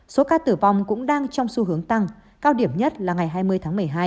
số ca tử vong cũng đang trong xu hướng tăng cao điểm nhất là ngày hai mươi tháng một mươi hai